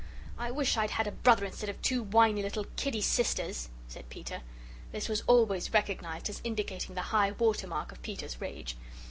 "I wish I'd had a brother instead of two whiny little kiddy sisters," said Peter. This was always recognised as indicating the high water mark of Peter's rage.